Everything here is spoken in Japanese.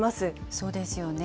そうですよね。